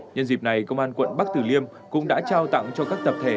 nhân dịp này công an quận bắc tử liêm cũng đã trao tặng cho các tập thể